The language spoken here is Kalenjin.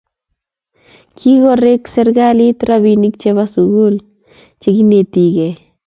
kigoreek serikalit robinik chebo sugul cheginietegei